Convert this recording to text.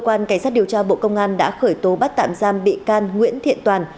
cơ quan cảnh sát điều tra bộ công an đã khởi tố bắt tạm giam bị can nguyễn thiện toàn